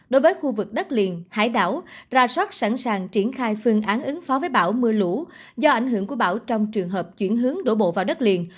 đối với khu vực đất liền hải đảo ra soát sẵn sàng triển khai phương án ứng phó với bão mưa lũ do ảnh hưởng của bão trong trường hợp chuyển hướng đổ bộ vào đất liền